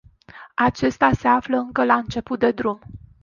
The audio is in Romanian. Acesta se află încă la început de drum.